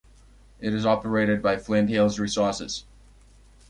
It is operated by Flint Hills Resources.